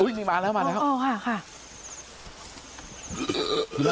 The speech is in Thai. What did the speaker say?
อุ้ยมีมาแล้วโอ้โหค่ะค่ะ